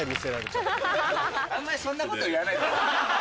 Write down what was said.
あんまりそんなこと言わないで。